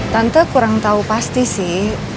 tante kurang tahu pasti sih